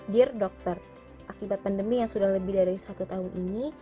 gear dokter akibat pandemi yang sudah lebih dari satu tahun ini